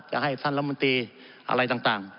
จะให้สรรพมตรีอะไรต่าง